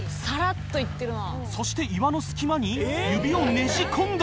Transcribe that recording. そして岩の隙間に指をねじ込んだ。